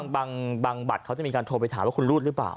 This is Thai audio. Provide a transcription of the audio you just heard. บางบัตรเขาจะมีการโทรไปถามว่าคุณรูดหรือเปล่า